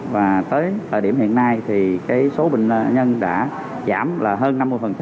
và tới thời điểm hiện nay thì số bệnh nhân đã giảm hơn năm mươi